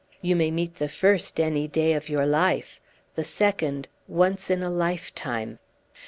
You may meet the first any day of your life; the second, once in a lifetime.